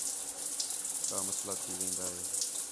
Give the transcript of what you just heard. کا مسئلہ تھی وین٘دا ہِے